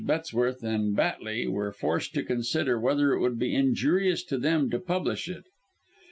Bettesworth and Batley were forced to consider whether it would be injurious to them to publish it.